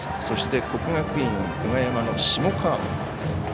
そして、国学院久我山の下川邊。